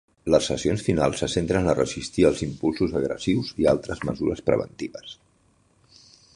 Les sessions finals se centren a resistir els impulsos agressius i altres mesures preventives.